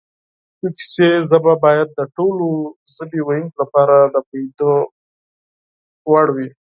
د کیسې ژبه باید د ټولو ژبې ویونکو لپاره د پوهېدو وړ وي